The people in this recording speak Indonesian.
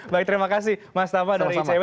baik terima kasih mas tama dari icw